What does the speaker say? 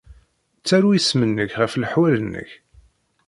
Ttaru isem-nnek ɣef leḥwal-nnek.